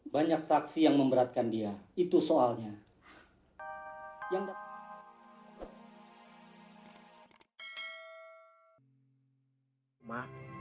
banyak saksi yang memberatkan dia itu soalnya